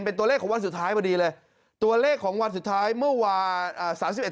เป็นตัวเลขของวันสุดท้ายเมื่อดีเลยตัวเลขของวันสุดท้ายเมื่อวาส